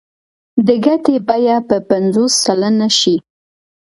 د ګټې بیه به پنځوس سلنه شي